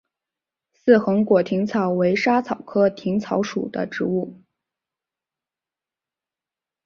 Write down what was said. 似横果薹草是莎草科薹草属的植物。